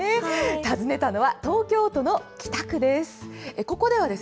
訪ねたのは、東京都の北区です。